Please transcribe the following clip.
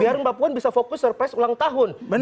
biar mbak puan bisa fokus surprise ulang tahun